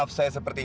oke tunggu sebentar